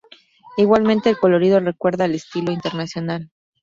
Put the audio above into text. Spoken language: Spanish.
Igualmente el colorido recuerda al estilo internacional.